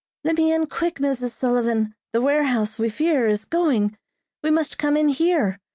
"Let me in quick Mrs. Sullivan, the warehouse, we fear, is going. We must come in here.